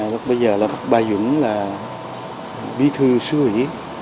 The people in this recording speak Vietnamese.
lúc bây giờ là bác ba dũng là bí thư xứ ủy